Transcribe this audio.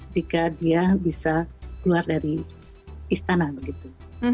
jika dia bisa keluar dari istana begitu